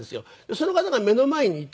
その方が目の前にいて。